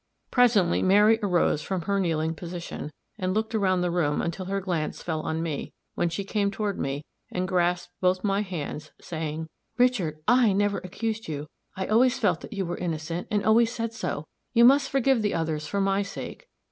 Presently Mary arose from her kneeling position, and looked around the room until her glance fell on me, when she came toward me, and grasped both my hands, saying, "Richard, I never accused you I always felt that you were innocent, and always said so. You must forgive the others for my sake.